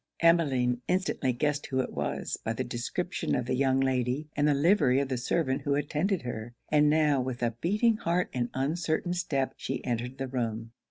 Emmeline instantly guessed who it was, by the description of the young Lady and the livery of the servant who attended her: and now, with a beating heart and uncertain step, she entered the room.